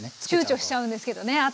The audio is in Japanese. ちゅうちょしちゃうんですけどね。